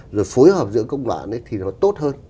rồi phối hợp giữa công đoạn ấy thì nó tốt hơn